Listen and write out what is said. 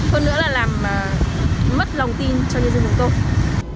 hơn nữa là làm mất lòng tin cho người dân thành phố